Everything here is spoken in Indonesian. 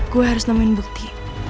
gue harus nemuin bukti